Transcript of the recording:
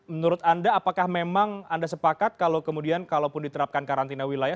menurut anda apakah memang anda sepakat kalau kemudian kalaupun diterapkan karantina wilayah